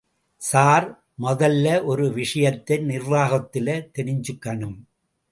Sir... மொதல்ல ஒரு விஷயத்தை நிர்வாகத்துல தெரிஞ்சுக்கணும்.